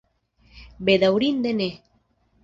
Bedaŭrinde ne.